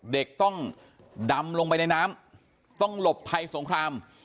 เด็กต้องดำลงไปในน้ำต้องหลบภัยสงคราม